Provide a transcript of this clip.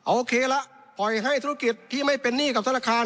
โอเคละปล่อยให้ธุรกิจที่ไม่เป็นหนี้กับธนาคาร